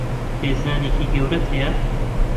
خێزانێکی گەورەت هەیە؟